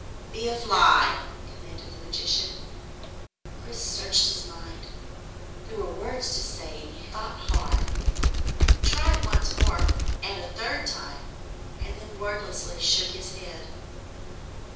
"Be a fly!" commanded the magician. Chris searched his mind. There were words to say, and you thought hard. He tried once more, and a third time, and then wordlessly shook his head.